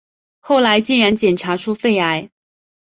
后来就竟然检查出肺癌